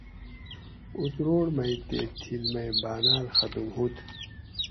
اتروڑ مئ تے تھِل مئ باۤناۤل ختم ھوت